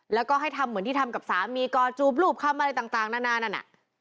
แล้วก็ให้ทำเหมือนที่ทำกับสามีกอจูบหลุบเข้ามาอะไรต่างนั่น